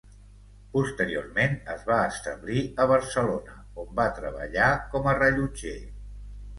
Posteriorment, es va establir a Barcelona, on va treballar com a rellotger.